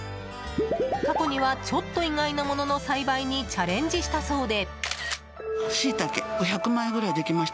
過去にはちょっと意外なものの栽培にチャレンジしたそうで。